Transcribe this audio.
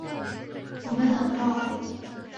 我们冷爆了